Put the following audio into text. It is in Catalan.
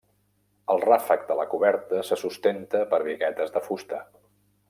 El ràfec de la coberta se sustenta per biguetes de fusta.